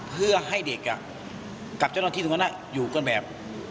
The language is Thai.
เพื่อให้เด็กกับเจ้าน้องที่สุดข้างหน้าอยู่ก่อนแบบ